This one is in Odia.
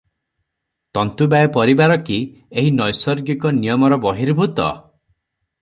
ତନ୍ତୁବାୟ ପରିବାର କି ଏହି ନୈସର୍ଗିକ ନିୟମର ବହିର୍ଭୂତ?